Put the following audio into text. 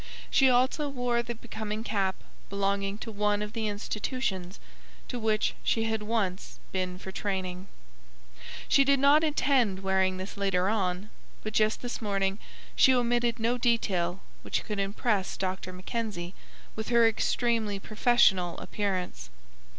She also wore the becoming cap belonging to one of the institutions to which she had once been for training. She did not intend wearing this later on, but just this morning she omitted no detail which could impress Dr. Mackenzie with her extremely professional appearance.